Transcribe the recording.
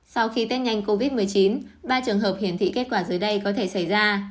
sau khi tết nhanh covid một mươi chín ba trường hợp hiển thị kết quả dưới đây có thể xảy ra